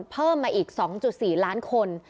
เพิ่มมาอีก๒๔ล้านคน